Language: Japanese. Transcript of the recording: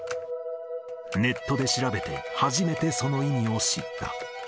ネットで調べて初めてその意味を知った。